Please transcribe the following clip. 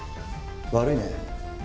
悪いね。